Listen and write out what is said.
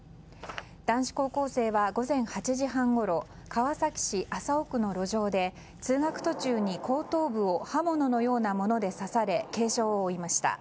男子高校生は午前８時半ごろ川崎市麻生区の路上で通学途中に後頭部を刃物のようなもので刺され軽傷を負いました。